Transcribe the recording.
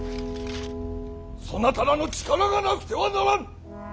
そなたらの力がなくてはならん！